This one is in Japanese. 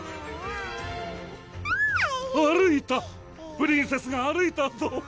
プリンセスが歩いたぞ！